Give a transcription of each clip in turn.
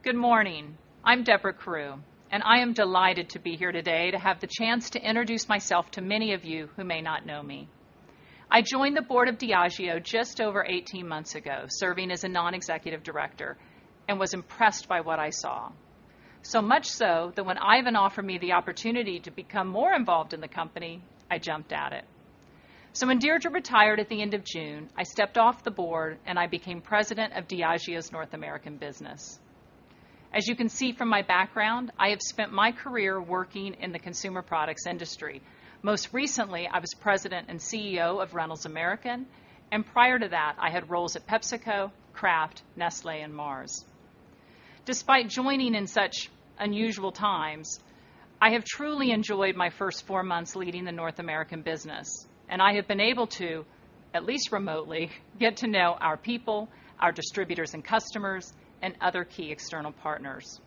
Good morning. I'm Debra Crew, and I am delighted to be here today to have the chance to introduce myself to many of you who may not know me. I joined the board of Diageo just over 18 months ago, serving as a non-executive director, and was impressed by what I saw. Much so that when Ivan offered me the opportunity to become more involved in the company, I jumped at it. When Deirdre retired at the end of June, I stepped off the board, and I became President of Diageo's North American business. As you can see from my background, I have spent my career working in the consumer products industry. Most recently, I was President and CEO of Reynolds American, and prior to that, I had roles at PepsiCo, Kraft, Nestlé, and Mars. Despite joining in such unusual times, I have truly enjoyed my first four months leading the North American business, and I have been able to, at least remotely, get to know our people, our distributors and customers, and other key external partners.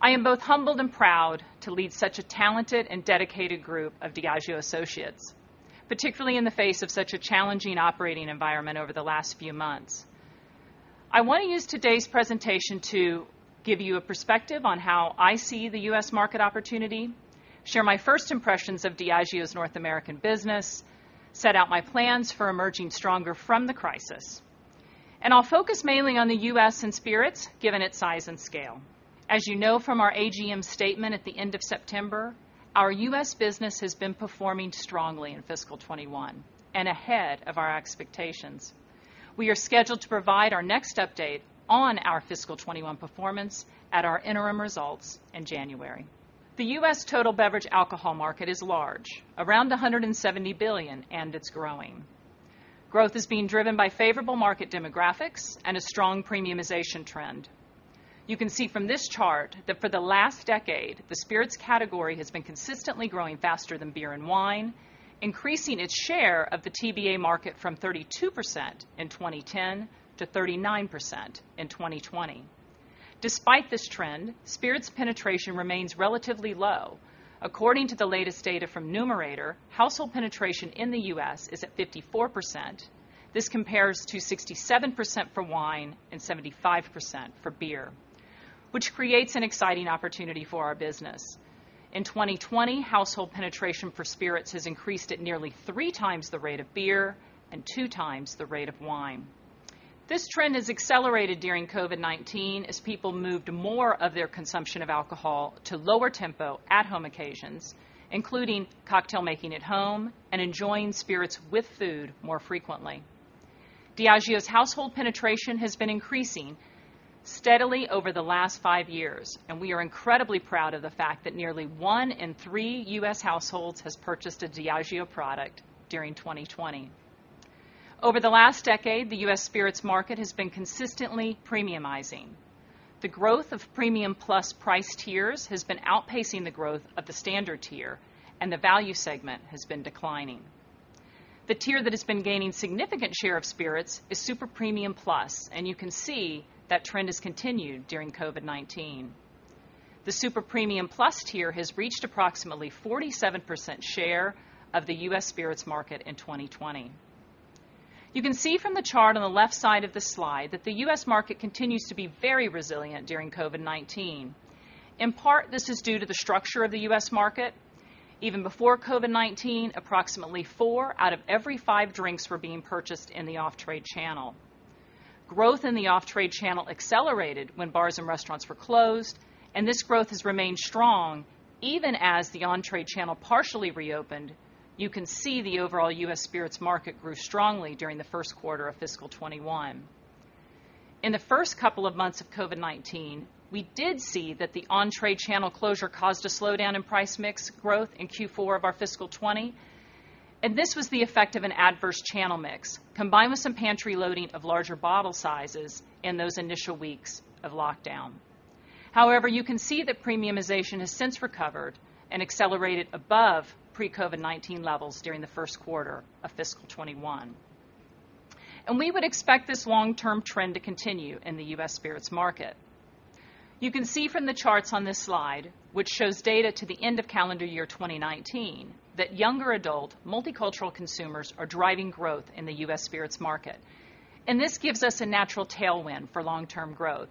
I am both humbled and proud to lead such a talented and dedicated group of Diageo associates, particularly in the face of such a challenging operating environment over the last few months. I want to use today's presentation to give you a perspective on how I see the U.S. market opportunity, share my first impressions of Diageo's North American business, set out my plans for emerging stronger from the crisis, and I'll focus mainly on the U.S. and spirits, given its size and scale. As you know from our AGM statement at the end of September, our U.S. business has been performing strongly in fiscal 2021 and ahead of our expectations. We are scheduled to provide our next update on our fiscal 2021 performance at our interim results in January. The U.S. total beverage alcohol market is large, around $170 billion, and it's growing. Growth is being driven by favorable market demographics and a strong premiumization trend. You can see from this chart that for the last decade, the spirits category has been consistently growing faster than beer and wine, increasing its share of the TBA market from 32% in 2010 to 39% in 2020. Despite this trend, spirits penetration remains relatively low. According to the latest data from Numerator, household penetration in the U.S. is at 54%. This compares to 67% for wine and 75% for beer, which creates an exciting opportunity for our business. In 2020, household penetration for spirits has increased at nearly three times the rate of beer and two times the rate of wine. This trend has accelerated during COVID-19 as people moved more of their consumption of alcohol to lower tempo at-home occasions, including cocktail making at home and enjoying spirits with food more frequently. Diageo's household penetration has been increasing steadily over the last five years, and we are incredibly proud of the fact that nearly one in three U.S. households has purchased a Diageo product during 2020. Over the last decade, the U.S. spirits market has been consistently premiumizing. The growth of premium plus price tiers has been outpacing the growth of the standard tier, and the value segment has been declining. The tier that has been gaining significant share of spirits is super premium plus, and you can see that trend has continued during COVID-19. The super premium plus tier has reached approximately 47% share of the U.S. spirits market in 2020. You can see from the chart on the left side of the slide that the U.S. market continues to be very resilient during COVID-19. In part, this is due to the structure of the U.S. market. Even before COVID-19, approximately four out of every five drinks were being purchased in the off-trade channel. Growth in the off-trade channel accelerated when bars and restaurants were closed, and this growth has remained strong even as the on-trade channel partially reopened. You can see the overall U.S. spirits market grew strongly during the first quarter of fiscal 2021. In the first couple of months of COVID-19, we did see that the on-trade channel closure caused a slowdown in price mix growth in Q4 of our fiscal 2020. This was the effect of an adverse channel mix, combined with some pantry loading of larger bottle sizes in those initial weeks of lockdown. However, you can see that premiumization has since recovered and accelerated above pre-COVID-19 levels during the first quarter of fiscal 2021. We would expect this long-term trend to continue in the U.S. spirits market. You can see from the charts on this slide, which shows data to the end of calendar year 2019, that younger adult multicultural consumers are driving growth in the U.S. spirits market. This gives us a natural tailwind for long-term growth.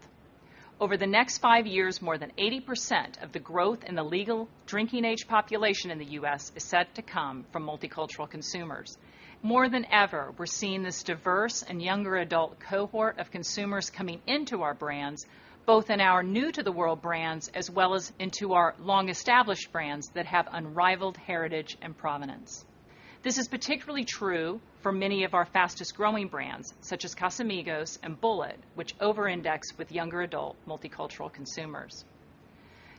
Over the next five years, more than 80% of the growth in the legal drinking age population in the U.S. is set to come from multicultural consumers. More than ever, we're seeing this diverse and younger adult cohort of consumers coming into our brands, both in our new to the world brands, as well as into our long-established brands that have unrivaled heritage and provenance. This is particularly true for many of our fastest-growing brands, such as Casamigos and Bulleit, which over-index with younger adult multicultural consumers.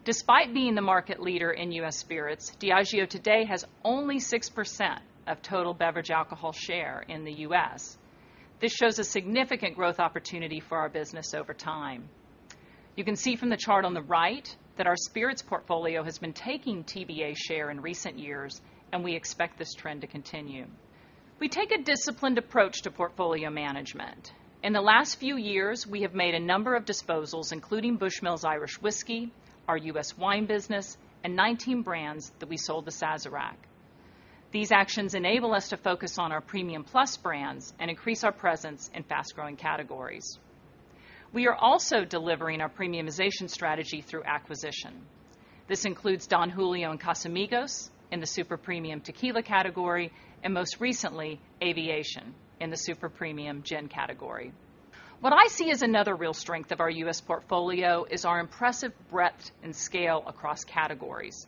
Despite being the market leader in U.S. spirits, Diageo today has only 6% of total beverage alcohol share in the U.S. This shows a significant growth opportunity for our business over time. You can see from the chart on the right that our spirits portfolio has been taking TBA share in recent years, and we expect this trend to continue. We take a disciplined approach to portfolio management. In the last few years, we have made a number of disposals, including Bushmills Irish Whiskey, our U.S. wine business, and 19 brands that we sold to Sazerac. These actions enable us to focus on our premium plus brands and increase our presence in fast-growing categories. We are also delivering our premiumization strategy through acquisition. This includes Don Julio and Casamigos in the super-premium tequila category and, most recently, Aviation in the super-premium gin category. What I see as another real strength of our U.S. portfolio is our impressive breadth and scale across categories.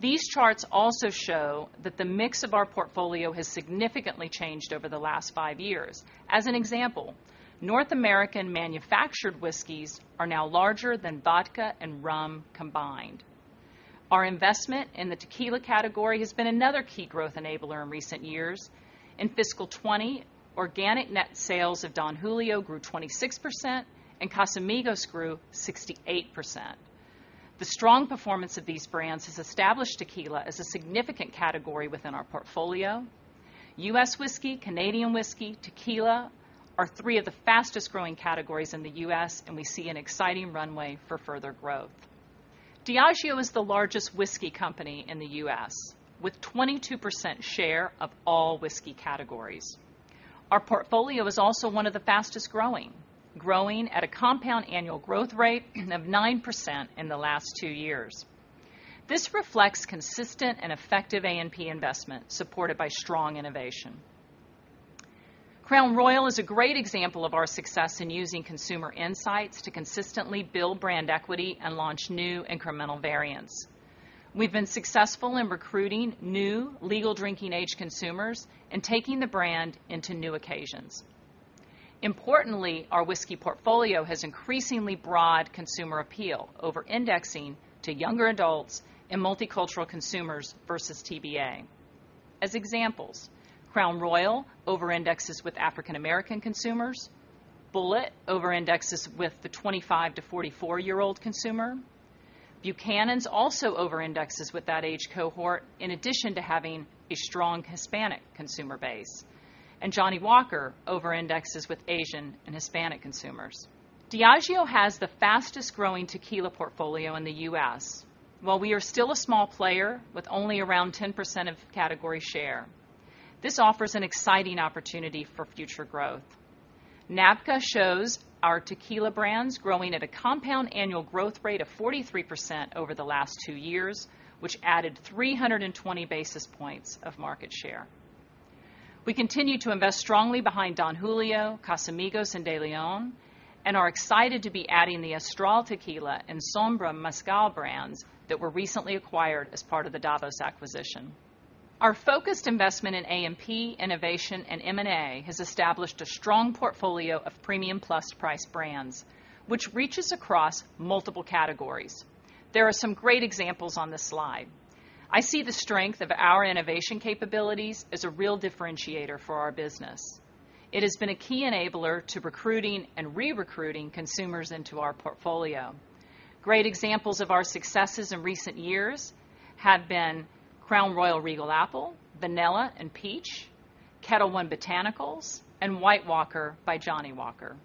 These charts also show that the mix of our portfolio has significantly changed over the last five years. As an example, North American manufactured whiskeys are now larger than vodka and rum combined. Our investment in the tequila category has been another key growth enabler in recent years. In fiscal 2020, organic net sales of Don Julio grew 26% and Casamigos grew 68%. The strong performance of these brands has established tequila as a significant category within our portfolio. U.S. whiskey, Canadian whiskey, tequila are three of the fastest-growing categories in the U.S., and we see an exciting runway for further growth. Diageo is the largest whiskey company in the U.S., with 22% share of all whiskey categories. Our portfolio is also one of the fastest-growing, growing at a compound annual growth rate of 9% in the last two years. This reflects consistent and effective A&P investment, supported by strong innovation. Crown Royal is a great example of our success in using consumer insights to consistently build brand equity and launch new incremental variants. We've been successful in recruiting new legal drinking age consumers and taking the brand into new occasions. Importantly, our whiskey portfolio has increasingly broad consumer appeal over-indexing to younger adults and multicultural consumers versus TBA. As examples, Crown Royal over-indexes with African American consumers. Bulleit over-indexes with the 25 to 44-year-old consumer. Buchanan's also over-indexes with that age cohort, in addition to having a strong Hispanic consumer base. Johnnie Walker over-indexes with Asian and Hispanic consumers. Diageo has the fastest-growing tequila portfolio in the U.S. While we are still a small player with only around 10% of category share, this offers an exciting opportunity for future growth. NABCA shows our tequila brands growing at a compound annual growth rate of 43% over the last two years, which added 320 basis points of market share. We continue to invest strongly behind Don Julio, Casamigos, and DeLeón and are excited to be adding the Astral Tequila and Sombra Mezcal brands that were recently acquired as part of the Davos acquisition. Our focused investment in A&P innovation and M&A has established a strong portfolio of premium plus price brands, which reaches across multiple categories. There are some great examples on this slide. I see the strength of our innovation capabilities as a real differentiator for our business. It has been a key enabler to recruiting and re-recruiting consumers into our portfolio. Great examples of our successes in recent years have been Crown Royal Regal Apple, Vanilla, and Peach, Ketel One Botanical, and White Walker by Johnnie Walker.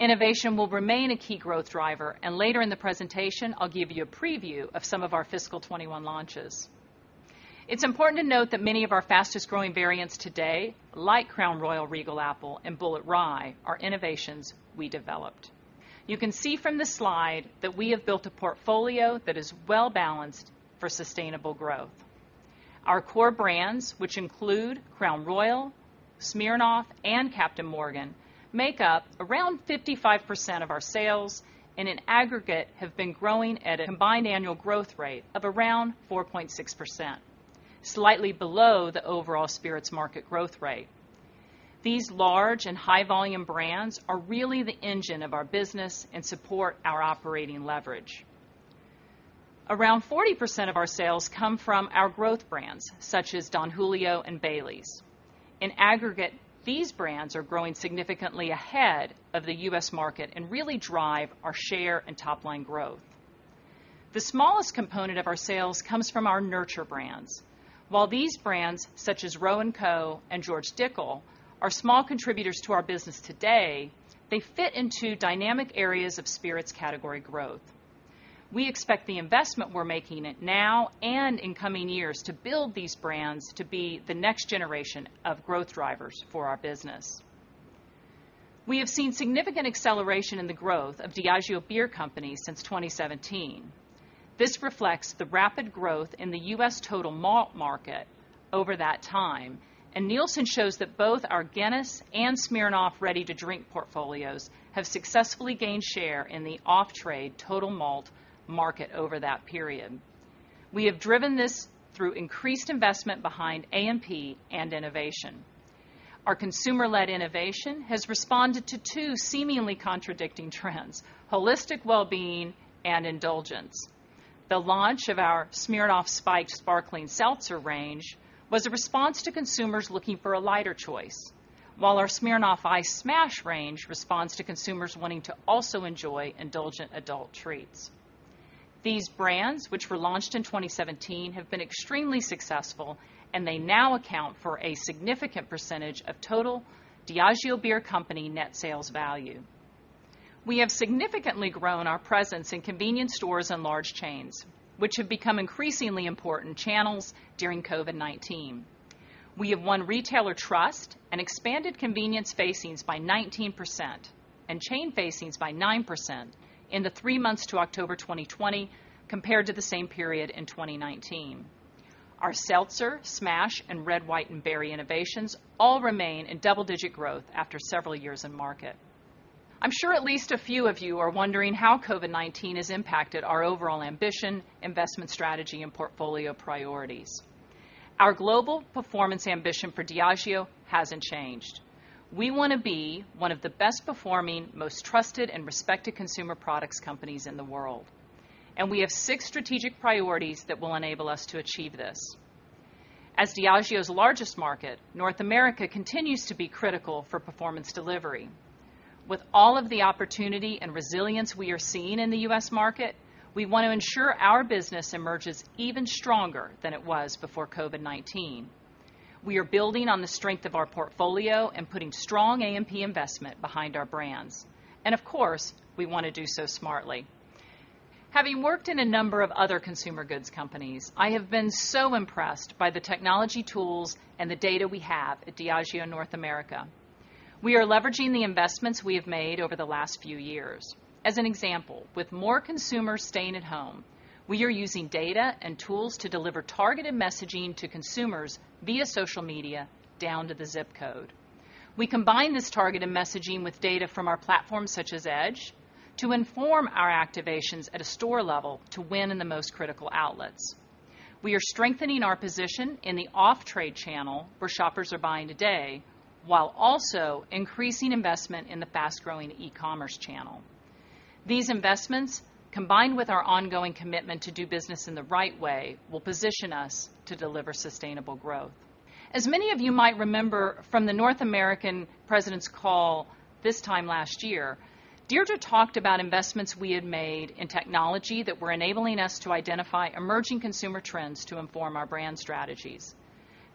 Innovation will remain a key growth driver. Later in the presentation, I'll give you a preview of some of our fiscal 2021 launches. It's important to note that many of our fastest-growing variants today, like Crown Royal Regal Apple and Bulleit Rye, are innovations we developed. You can see from this slide that we have built a portfolio that is well-balanced for sustainable growth. Our core brands, which include Crown Royal, Smirnoff, and Captain Morgan, make up around 55% of our sales and in aggregate have been growing at a combined annual growth rate of around 4.6%, slightly below the overall spirits market growth rate. Around 40% of our sales come from our growth brands, such as Don Julio and Baileys. In aggregate, these brands are growing significantly ahead of the U.S. market and really drive our share and top-line growth. The smallest component of our sales comes from our nurture brands. While these brands, such as Roe & Co and George Dickel, are small contributors to our business today, they fit into dynamic areas of spirits category growth. We expect the investment we're making now and in coming years to build these brands to be the next generation of growth drivers for our business. We have seen significant acceleration in the growth of Diageo Beer Company since 2017. This reflects the rapid growth in the U.S. total malt market over that time, and Nielsen shows that both our Guinness and Smirnoff ready-to-drink portfolios have successfully gained share in the off-trade total malt market over that period. We have driven this through increased investment behind A&P and innovation. Our consumer-led innovation has responded to two seemingly contradicting trends: holistic well-being and indulgence. The launch of our Smirnoff Spiked Sparkling Seltzer range was a response to consumers looking for a lighter choice. While our Smirnoff Ice Smash range responds to consumers wanting to also enjoy indulgent adult treats. These brands, which were launched in 2017, have been extremely successful, and they now account for a significant percentage of total Diageo Beer Company net sales value. We have significantly grown our presence in convenience stores and large chains, which have become increasingly important channels during COVID-19. We have won retailer trust and expanded convenience facings by 19% and chain facings by 9% in the three months to October 2020, compared to the same period in 2019. Our Seltzer, Smash, and Red, White & Berry innovations all remain in double-digit growth after several years in market. I'm sure at least a few of you are wondering how COVID-19 has impacted our overall ambition, investment strategy, and portfolio priorities. Our global performance ambition for Diageo hasn't changed. We want to be one of the best performing, most trusted, and respected consumer products companies in the world, and we have six strategic priorities that will enable us to achieve this. As Diageo's largest market, North America continues to be critical for performance delivery. With all of the opportunity and resilience we are seeing in the U.S. market, we want to ensure our business emerges even stronger than it was before COVID-19. We are building on the strength of our portfolio and putting strong A&P investment behind our brands. Of course, we want to do so smartly. Having worked in a number of other consumer goods companies, I have been so impressed by the technology tools and the data we have at Diageo North America. We are leveraging the investments we have made over the last few years. As an example, with more consumers staying at home, we are using data and tools to deliver targeted messaging to consumers via social media, down to the zip code. We combine this targeted messaging with data from our platforms such as EDGE to inform our activations at a store level to win in the most critical outlets. We are strengthening our position in the off-trade channel where shoppers are buying today, while also increasing investment in the fast-growing e-commerce channel. These investments, combined with our ongoing commitment to do business in the right way, will position us to deliver sustainable growth. As many of you might remember from the North American president's call this time last year, Deirdre talked about investments we had made in technology that were enabling us to identify emerging consumer trends to inform our brand strategies.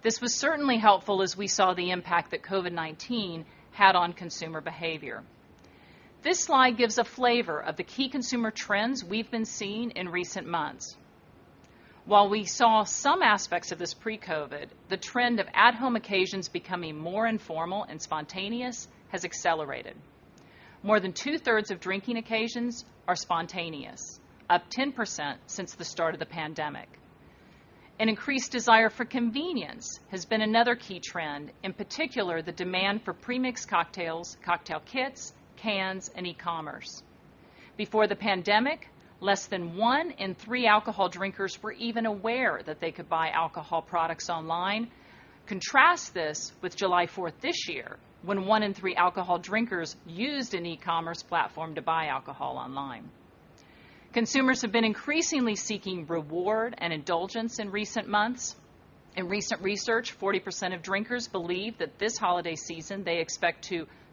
This was certainly helpful as we saw the impact that COVID-19 had on consumer behavior. This slide gives a flavor of the key consumer trends we've been seeing in recent months. While we saw some aspects of this pre-COVID, the trend of at-home occasions becoming more informal and spontaneous has accelerated. More than 2/3 of drinking occasions are spontaneous, up 10% since the start of the pandemic. An increased desire for convenience has been another key trend, in particular, the demand for pre-mixed cocktails, cocktail kits, cans, and e-commerce. Before the pandemic, less than one in three alcohol drinkers were even aware that they could buy alcohol products online. Contrast this with July 4th this year, when one in three alcohol drinkers used an e-commerce platform to buy alcohol online. Consumers have been increasingly seeking reward and indulgence in recent months. In recent research, 40% of drinkers believe that this holiday season, they expect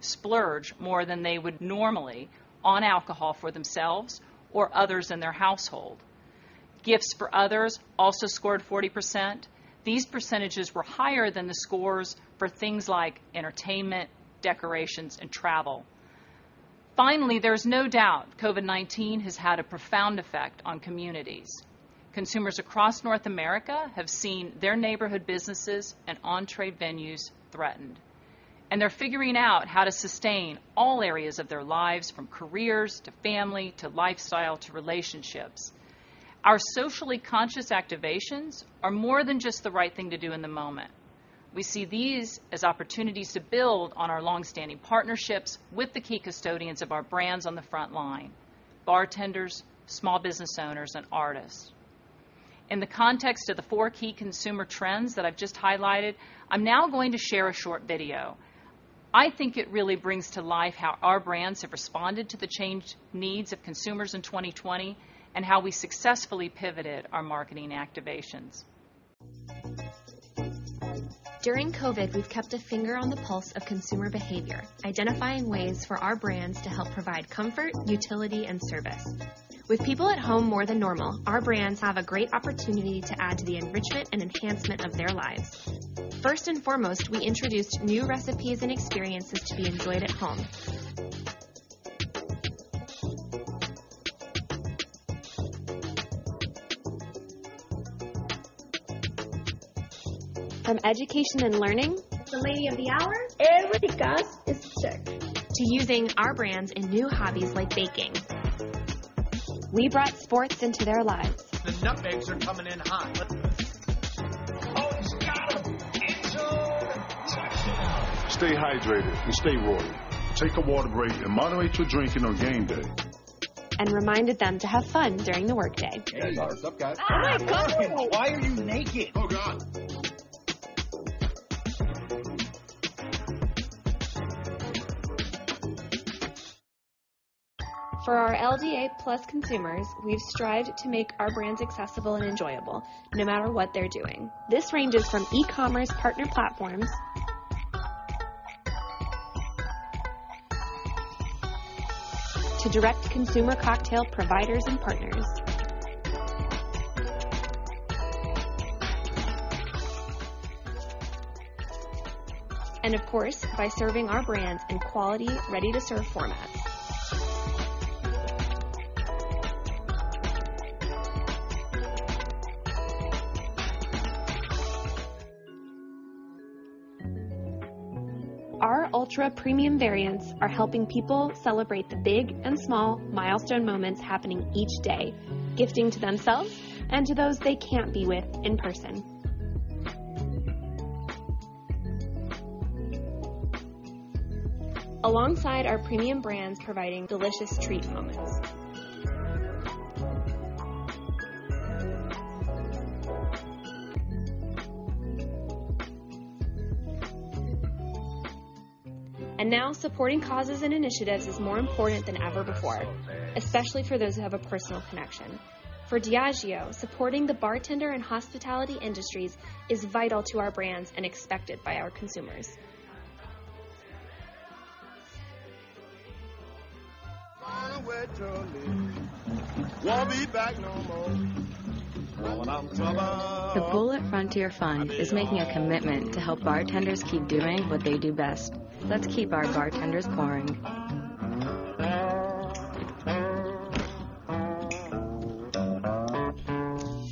to splurge more than they would normally on alcohol for themselves or others in their household. Gifts for others also scored 40%. These percentages were higher than the scores for things like entertainment, decorations, and travel. Finally, there is no doubt COVID-19 has had a profound effect on communities. Consumers across North America have seen their neighborhood businesses and on-trade venues threatened, and they're figuring out how to sustain all areas of their lives, from careers, to family, to lifestyle, to relationships. Our socially conscious activations are more than just the right thing to do in the moment. We see these as opportunities to build on our longstanding partnerships with the key custodians of our brands on the front line, bartenders, small business owners, and artists. In the context of the four key consumer trends that I've just highlighted, I'm now going to share a short video. I think it really brings to life how our brands have responded to the changed needs of consumers in 2020 and how we successfully pivoted our marketing activations. During COVID, we've kept a finger on the pulse of consumer behavior, identifying ways for our brands to help provide comfort, utility, and service. With people at home more than normal, our brands have a great opportunity to add to the enrichment and enhancement of their lives. First and foremost, we introduced new recipes and experiences to be enjoyed at home. From education and learning. The lady of the hour. Everything is sick. to using our brands in new hobbies like baking. We brought sports into their lives. The nut bakes are coming in hot. Let's do this. Oh, he's got him. End zone. Touchdown. Stay hydrated and stay royal. Take a water break and moderate your drinking on game day. Reminded them to have fun during the workday. Hey, what's up, guys? Oh, my God. Why are you naked? Oh, God. For our LDA plus consumers, we've strived to make our brands accessible and enjoyable, no matter what they're doing. This ranges from e-commerce partner platforms to direct consumer cocktail providers and partners. Of course, by serving our brands in quality, ready-to-serve formats. Our ultra-premium variants are helping people celebrate the big and small milestone moments happening each day, gifting to themselves and to those they can't be with in person. Alongside our premium brands providing delicious treat moments. Now, supporting causes and initiatives is more important than ever before, especially for those who have a personal connection. For Diageo, supporting the bartender and hospitality industries is vital to our brands and expected by our consumers. Find a way to leave. Won't be back no more. When I'm taller. The Bulleit Frontier Fund is making a commitment to help bartenders keep doing what they do best. Let's keep our bartenders pouring.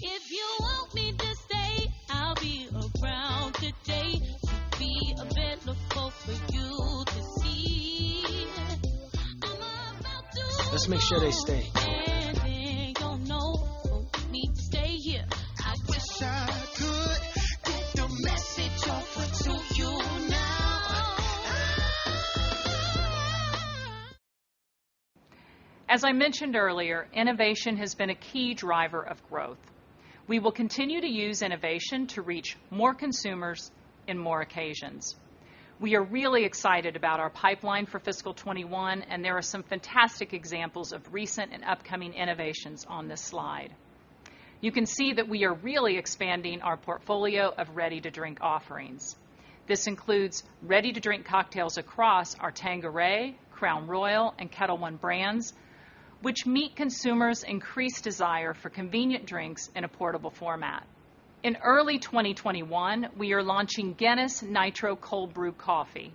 If you want me to stay, I'll be around today. Be available for you to see. I'm about to go. Let's make sure they stay. They don't know. Want me to stay here. I wish I could get the message over to you now. Oh. As I mentioned earlier, innovation has been a key driver of growth. We will continue to use innovation to reach more consumers in more occasions. We are really excited about our pipeline for fiscal 2021, and there are some fantastic examples of recent and upcoming innovations on this slide. You can see that we are really expanding our portfolio of ready-to-drink offerings. This includes ready-to-drink cocktails across our Tanqueray, Crown Royal, and Ketel One brands, which meet consumers' increased desire for convenient drinks in a portable format. In early 2021, we are launching Guinness Nitro Cold Brew Coffee,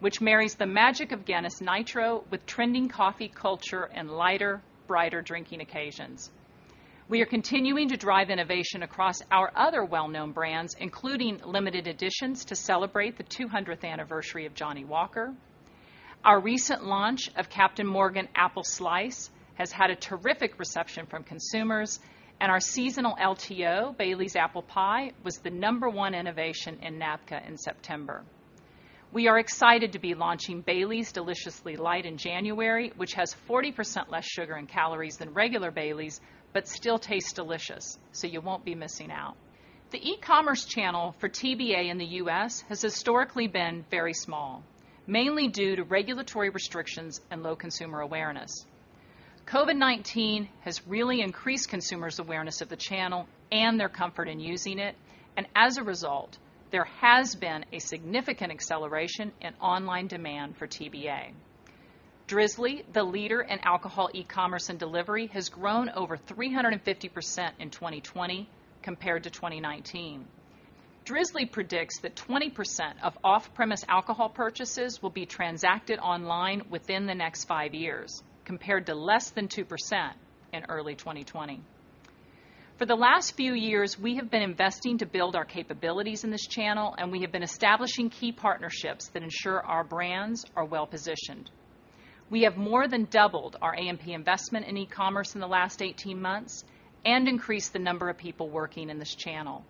which marries the magic of Guinness Nitro with trending coffee culture and lighter, brighter drinking occasions. We are continuing to drive innovation across our other well-known brands, including limited editions to celebrate the 200th anniversary of Johnnie Walker. Our recent launch of Captain Morgan Sliced Apple has had a terrific reception from consumers, and our seasonal LTO, Baileys Apple Pie, was the number one innovation in NABCA in September. We are excited to be launching Baileys Deliciously Light in January, which has 40% less sugar and calories than regular Baileys but still tastes delicious, so you won't be missing out. The e-commerce channel for TBA in the U.S. has historically been very small, mainly due to regulatory restrictions and low consumer awareness. COVID-19 has really increased consumers' awareness of the channel and their comfort in using it, and as a result, there has been a significant acceleration in online demand for TBA. Drizly, the leader in alcohol e-commerce and delivery, has grown over 350% in 2020 compared to 2019. Drizly predicts that 20% of off-premise alcohol purchases will be transacted online within the next five years, compared to less than 2% in early 2020. For the last few years, we have been investing to build our capabilities in this channel, and we have been establishing key partnerships that ensure our brands are well-positioned. We have more than doubled our A&P investment in e-commerce in the last 18 months and increased the number of people working in this channel.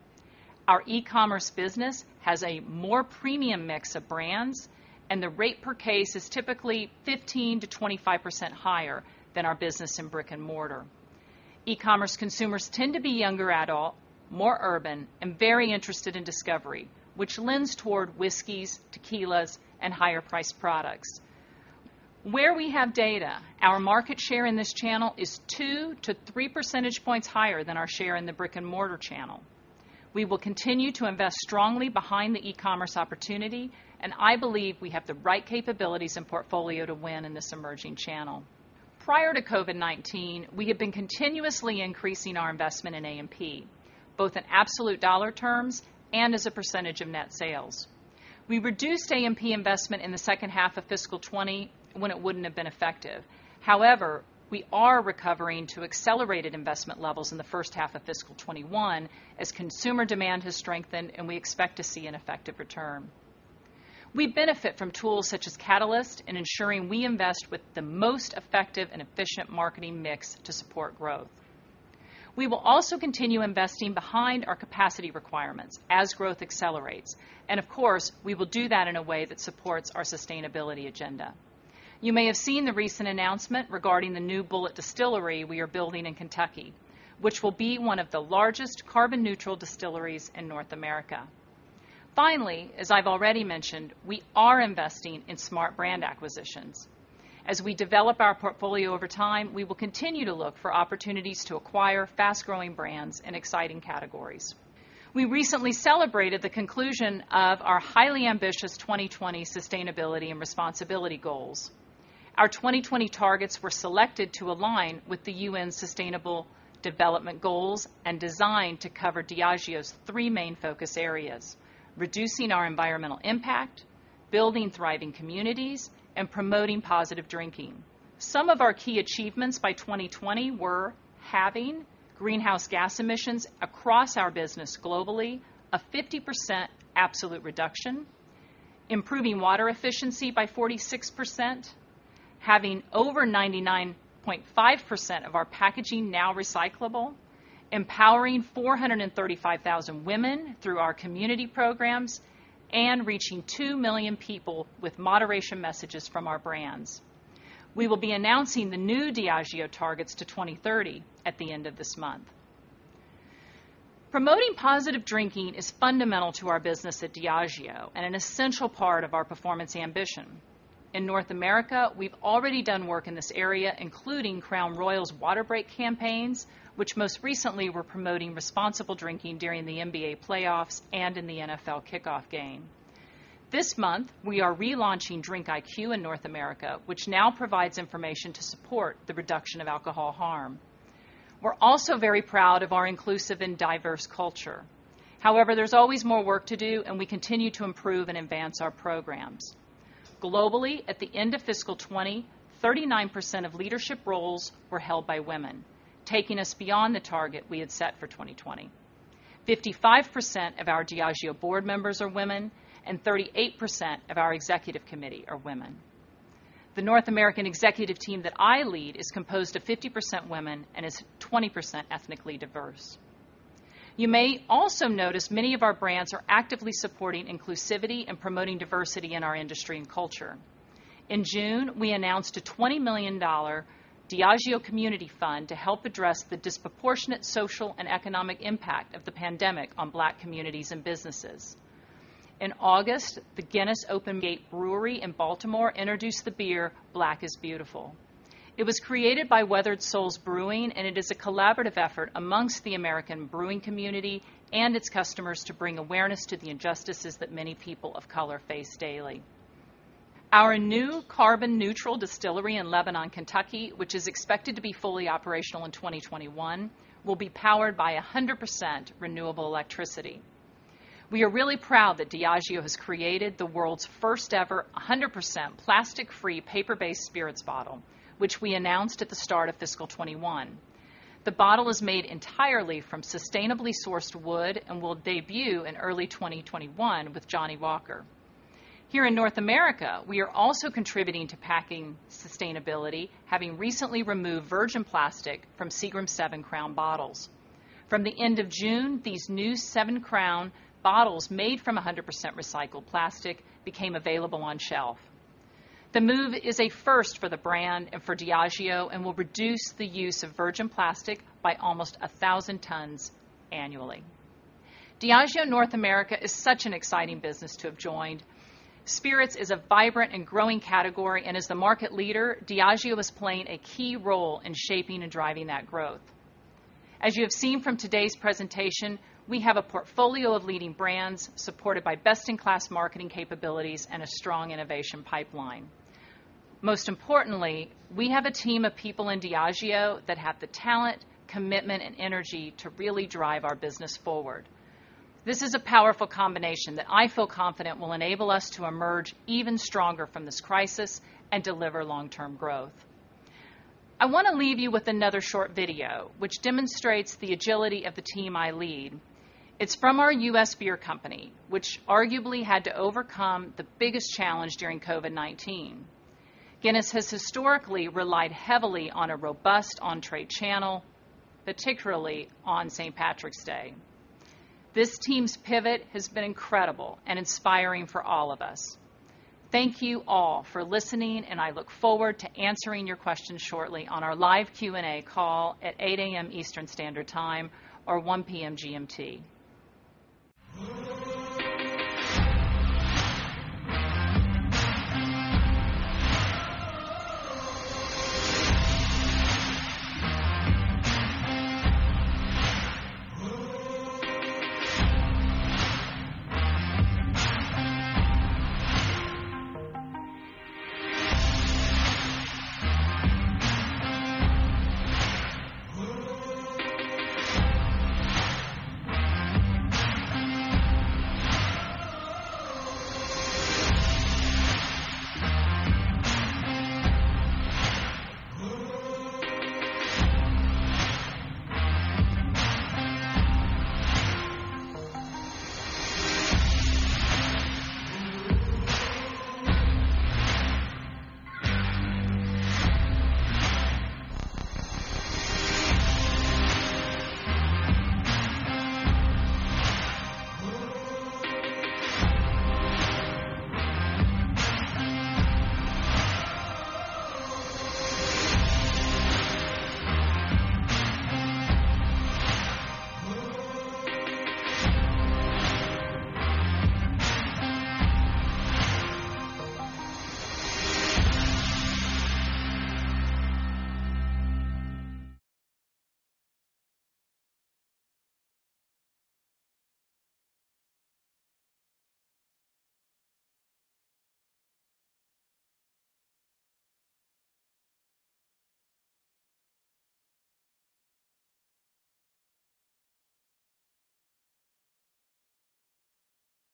Our e-commerce business has a more premium mix of brands, and the rate per case is typically 15%-25% higher than our business in brick-and-mortar. E-commerce consumers tend to be younger adult, more urban, and very interested in discovery, which lends toward whiskeys, tequilas, and higher-priced products. Where we have data, our market share in this channel is 2-3 percentage points higher than our share in the brick-and-mortar channel. We will continue to invest strongly behind the e-commerce opportunity, and I believe we have the right capabilities and portfolio to win in this emerging channel. Prior to COVID-19, we had been continuously increasing our investment in A&P, both in absolute dollar terms and as a percentage of net sales. We reduced A&P investment in the second half of fiscal 2020 when it wouldn't have been effective. However, we are recovering to accelerated investment levels in the first half of fiscal 2021 as consumer demand has strengthened, and we expect to see an effective return. We benefit from tools such as Catalyst in ensuring we invest with the most effective and efficient marketing mix to support growth. We will also continue investing behind our capacity requirements as growth accelerates. Of course, we will do that in a way that supports our sustainability agenda. You may have seen the recent announcement regarding the new Bulleit distillery we are building in Kentucky, which will be one of the largest carbon-neutral distilleries in North America. As I've already mentioned, we are investing in smart brand acquisitions. As we develop our portfolio over time, we will continue to look for opportunities to acquire fast-growing brands in exciting categories. We recently celebrated the conclusion of our highly ambitious 2020 sustainability and responsibility goals. Our 2020 targets were selected to align with the UN Sustainable Development Goals and designed to cover Diageo's three main focus areas: reducing our environmental impact, building thriving communities, and promoting positive drinking. Some of our key achievements by 2020 were halving greenhouse gas emissions across our business globally, a 50% absolute reduction, improving water efficiency by 46%, having over 99.5% of our packaging now recyclable, empowering 435,000 women through our community programs, and reaching 2 million people with moderation messages from our brands. We will be announcing the new Diageo targets to 2030 at the end of this month. Promoting positive drinking is fundamental to our business at Diageo and an essential part of our performance ambition. In North America, we've already done work in this area, including Crown Royal's Water Break campaigns, which most recently were promoting responsible drinking during the NBA playoffs and in the NFL kickoff game. This month, we are relaunching DRINKiQ in North America, which now provides information to support the reduction of alcohol harm. We're also very proud of our inclusive and diverse culture. However, there's always more work to do, and we continue to improve and advance our programs. Globally, at the end of fiscal 2020, 39% of leadership roles were held by women, taking us beyond the target we had set for 2020. 55% of our Diageo board members are women, and 38% of our executive committee are women. The North American executive team that I lead is composed of 50% women and is 20% ethnically diverse. You may also notice many of our brands are actively supporting inclusivity and promoting diversity in our industry and culture. In June, we announced a $20 million Diageo Community Fund to help address the disproportionate social and economic impact of the pandemic on Black communities and businesses. In August, the Guinness Open Gate Brewery in Baltimore introduced the beer Black Is Beautiful. It was created by Weathered Souls Brewing, and it is a collaborative effort amongst the American brewing community and its customers to bring awareness to the injustices that many people of color face daily. Our new carbon neutral distillery in Lebanon, Kentucky, which is expected to be fully operational in 2021, will be powered by 100% renewable electricity. We are really proud that Diageo has created the world's first-ever 100% plastic-free paper-based spirits bottle, which we announced at the start of FY 2021. The bottle is made entirely from sustainably sourced wood and will debut in early 2021 with Johnnie Walker. Here in North America, we are also contributing to packing sustainability, having recently removed virgin plastic from Seagram's 7 Crown bottles. From the end of June, these new 7 Crown bottles made from 100% recycled plastic became available on shelf. The move is a first for the brand and for Diageo and will reduce the use of virgin plastic by almost 1,000 tons annually. Diageo North America is such an exciting business to have joined. Spirits is a vibrant and growing category, and as the market leader, Diageo is playing a key role in shaping and driving that growth. As you have seen from today's presentation, we have a portfolio of leading brands supported by best-in-class marketing capabilities and a strong innovation pipeline. Most importantly, we have a team of people in Diageo that have the talent, commitment, and energy to really drive our business forward. This is a powerful combination that I feel confident will enable us to emerge even stronger from this crisis and deliver long-term growth. I want to leave you with another short video which demonstrates the agility of the team I lead. It's from our U.S. beer company, which arguably had to overcome the biggest challenge during COVID-19. Guinness has historically relied heavily on a robust on-trade channel, particularly on St. Patrick's Day. This team's pivot has been incredible and inspiring for all of us. Thank you all for listening, and I look forward to answering your questions shortly on our live Q&A call at 8:00 A.M. Eastern Standard Time or 1:00 P.M. GMT.